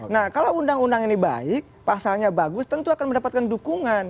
nah kalau undang undang ini baik pasalnya bagus tentu akan mendapatkan dukungan